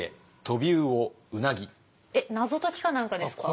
えっ謎解きか何かですか？